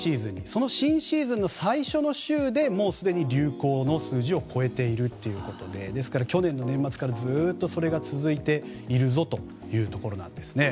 その新シーズンの最初の週でもうすでに流行の数字を超えているということでですから去年の年末からずっとそれが続いているぞというところなんですね。